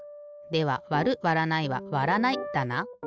ではわるわらないはわらないだな。